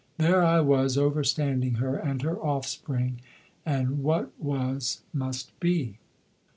There I was overstanding her and her offspring; and what was must be.